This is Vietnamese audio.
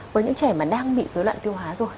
với những trẻ mà đang bị dối loạn tiêu hóa rồi